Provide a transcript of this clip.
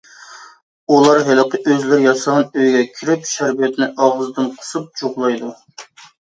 ئۇلار ھېلىقى ئۆزلىرى ياسىغان ئۆيىگە كىرىپ، شەربەتنى ئاغزىدىن قۇسۇپ جۇغلايدۇ.